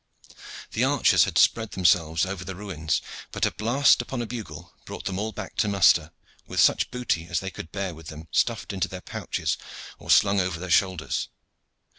The archers had spread themselves over the ruins, but a blast upon a bugle brought them all back to muster, with such booty as they could bear with them stuffed into their pouches or slung over their shoulders.